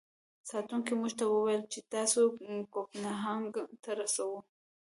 ساتونکو موږ ته و ویل چې تاسو کوپنهاګن ته رسوو.